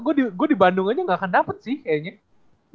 gila gua di bandung aja ga akan dapet sih kayaknya